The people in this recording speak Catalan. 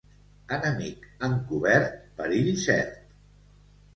Enemic encobert, perill cert.